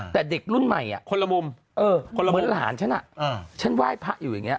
แต่เด็กรุ่นใหม่คนละมุมเหมือนหลานฉันฉันไหว้พระอยู่อย่างนี้